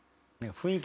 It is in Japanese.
雰囲気。